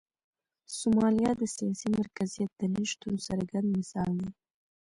سومالیا د سیاسي مرکزیت د نشتون څرګند مثال دی.